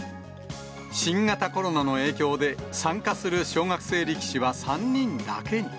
新型コロナの影響で参加する小学生力士は３人だけに。